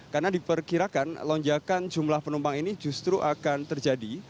karena diperkirakan lonjakan jumlah penumpang ini justru akan terjadi